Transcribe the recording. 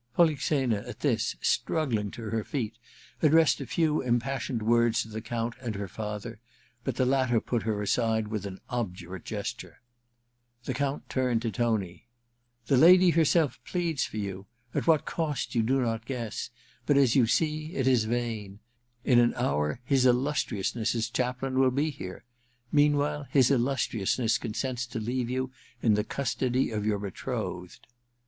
* Polixena, at this, struggling to her feet, addressed a few impassioned words to the Count and her. father ; but the latter put her aside with an obdurate gesture. The Count turned to Tony. * The lady her self pleads for you — at what cost you do not less — but as you see it is vain. In an hour lis Illustriousness*s chaplain will be here. Mean while his Illustriousness consents to leave you in the custody of your betrothed.